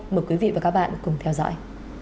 mời quý vị và các bạn cùng theo dõi